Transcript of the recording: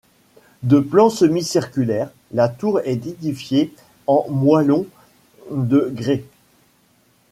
De plan semi-circulaire, la tour est édifiée en moellon de grès.